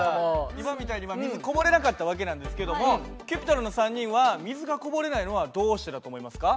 今みたいに水こぼれなかった訳なんですけどもＣｕｐｉｔｒｏｎの３人は水がこぼれないのはどうしてだと思いますか？